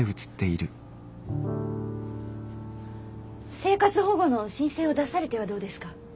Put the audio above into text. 生活保護の申請を出されてはどうですか？